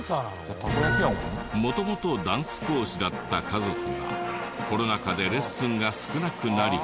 元々ダンス講師だった家族がコロナ禍でレッスンが少なくなり。